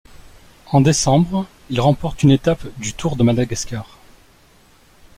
En décembre, il remporte une étape du Tour de Madagascar.